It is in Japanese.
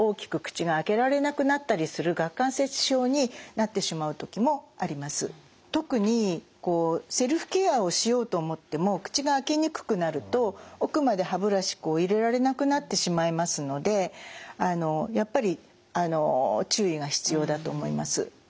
それからまあ顎の方にも影響がありますから特にセルフケアをしようと思っても口が開けにくくなると奥まで歯ブラシ入れられなくなってしまいますのでやっぱり注意が必要だと思います。